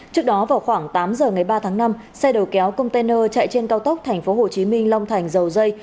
trước đó vào khoảng tám giờ ngày ba tháng năm xe đầu kéo container chạy trên cao tốc tp hcm long thành dầu dây